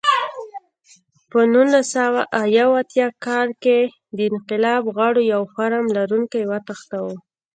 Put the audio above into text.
په نولس سوه یو اتیا کال کې د انقلاب غړو یو فارم لرونکی وتښتاوه.